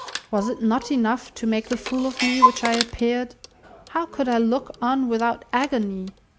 Was it not enough to make the fool of me which I appeared? How could I look on without agony?